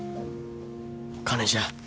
金じゃ。